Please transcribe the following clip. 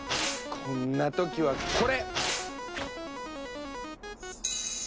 こんな時はこれ！